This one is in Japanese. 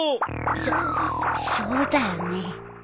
そっそうだよね。